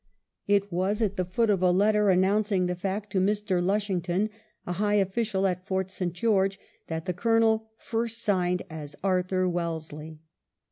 It was at the foot of a letter announcing the fact to Mr. Lushington, a high official at Fort St. George, that the colonel first signed as " Arthur Wellesley."